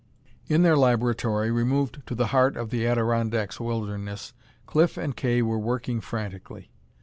In their laboratory, removed to the heart of the Adirondacks wilderness, Cliff and Kay were working frantically.